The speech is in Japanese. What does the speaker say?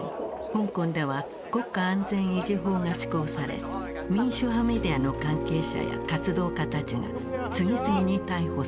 香港では国家安全維持法が施行され民主派メディアの関係者や活動家たちが次々に逮捕されていった。